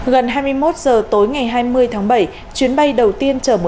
gần hai mươi một giờ tối ngày hai mươi tháng bảy chuyến bay đầu tiên chở một trăm chín mươi sáu